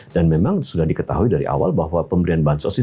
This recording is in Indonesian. dan memang sudah diketahui dari awal bahwa pemberian bansos itu akan melalui